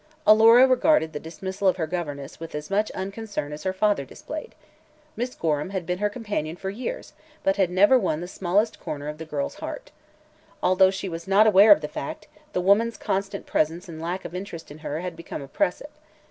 Alora regarded the dismissal of her governess with as much unconcern as her father displayed. Miss Gorham had been her companion for years, but had never won the smallest corner of the girl's heart. Although she was not aware of the fact, the woman's constant presence and lack of interest in her had become oppressive.